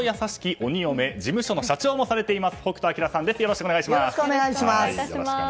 鬼嫁事務所の社長もされております